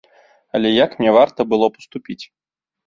Але як мне варта было паступіць?